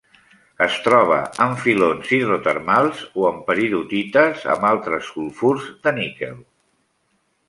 Es troba en filons hidrotermals, o en peridotites amb altres sulfurs de níquel.